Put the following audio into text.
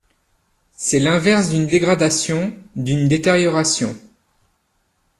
C'est l'inverse d'une dégradation, d'une détérioration.